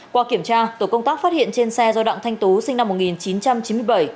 qua kiểm tra tổ công tác phát hiện trên xe do đặng thanh tú sinh năm một nghìn chín trăm chín mươi bảy